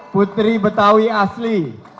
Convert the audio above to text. putri betawi asli